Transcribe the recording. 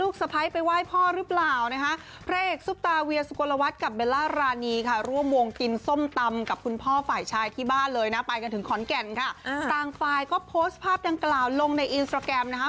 ก่อนแก่นค่ะต่างไฟล์ก็โพสต์ภาพดังกล่าวลงในอินสตราแกรมนะคะ